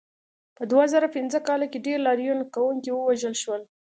په دوه زره پنځه کال کې ډېر لاریون کوونکي ووژل شول.